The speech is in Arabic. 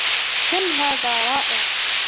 كم هذا رائع!.